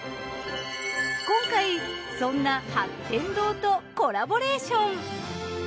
今回そんな八天堂とコラボレーション。